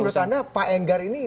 menurut anda pak enggar ini